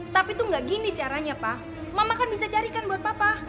tapi tuh gak gini caranya pak mama kan bisa carikan buat papa